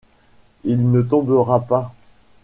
Il ne tombera pas !